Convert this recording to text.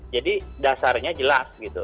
jadi dasarnya jelas gitu